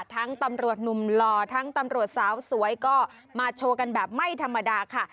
ตำรวจหนุ่มหล่อทั้งตำรวจสาวสวยก็มาโชว์กันแบบไม่ธรรมดาค่ะ